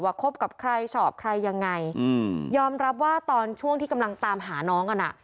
คบกับใครชอบใครยังไงอืมยอมรับว่าตอนช่วงที่กำลังตามหาน้องกันอ่ะ